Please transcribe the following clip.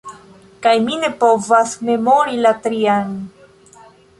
Kaj mi ne povas memori la trian!